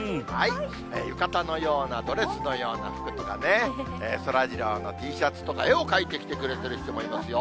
浴衣のような、ドレスのような服とかね、そらジローのＴシャツとか、絵を描いてきてくれてる人もいますよ。